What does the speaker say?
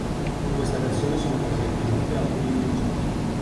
In questa versione sono presenti inoltre alcuni minigiochi.